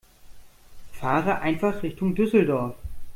Fahre einfach Richtung Düsseldorf